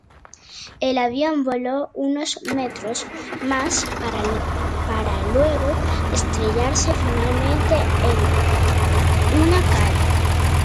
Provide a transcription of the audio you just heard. El avión voló unos metros más para luego estrellarse finalmente en una calle.